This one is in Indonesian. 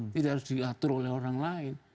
tidak harus diatur oleh orang lain